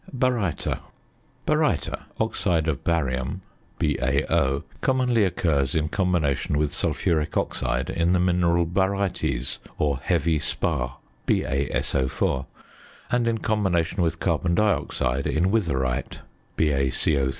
BARYTA. Baryta, oxide of barium (BaO), commonly occurs in combination with sulphuric oxide in the mineral barytes or heavy spar (BaSO_), and in combination with carbon dioxide in witherite (BaCO_).